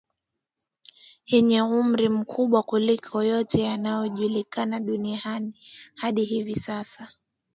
yenye umri mkubwa kuliko yote yanayojulikana duniani hadi hivi sasa